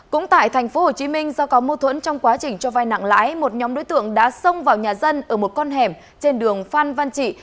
cũng tại tp hcm do có mâu thuẫn trong quá trình cho vai nặng lãi một nhóm đối tượng đã xông vào nhà dân ở một con hẻm trên đường phan văn trị